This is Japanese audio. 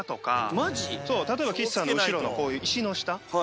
マジ⁉岸さんの後ろのこういう石の下。